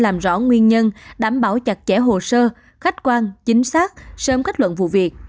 làm rõ nguyên nhân đảm bảo chặt chẽ hồ sơ khách quan chính xác sớm kết luận vụ việc